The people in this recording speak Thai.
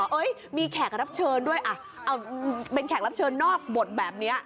เอ้ยมีแขกรับเชิญด้วยเป็นแขกรับเชิญนอกบทแบบนี้